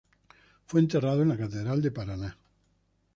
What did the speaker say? Fue enterrado en la Catedral de Paraná.